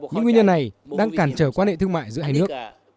những nguyên nhân này đang cản trở quan hệ thương mại giữa hai nước